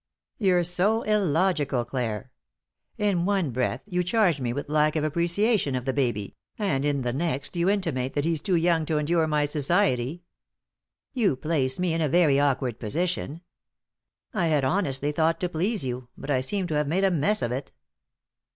You're so illogical, Clare! In one breath you charge me with lack of appreciation of the baby, and in the next you intimate that he's too young to endure my society. You place me in a very awkward position. I had honestly thought to please you, but I seem to have made a mess of it."